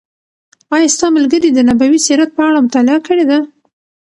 آیا ستا ملګري د نبوي سیرت په اړه مطالعه کړې ده؟